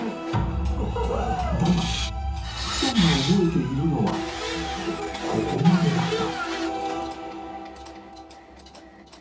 ［だが夫妻が覚えているのはここまでだった］